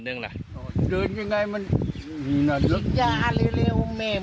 อุ้ยอาทิตย์เอาเลยเร็ว